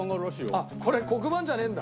あっこれ黒板じゃねえんだ。